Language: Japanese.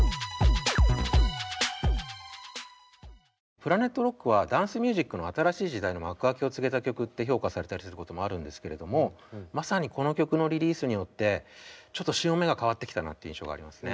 「ＰｌａｎｅｔＲｏｃｋ」はダンスミュージックの新しい時代の幕開けを告げた曲って評価されたりすることもあるんですけれどもまさにこの曲のリリースによってちょっと潮目が変わってきたなって印象がありますね。